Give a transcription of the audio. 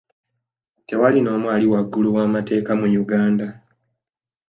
Tewali n'omu ali waggulu w'amateeka mu Uganda.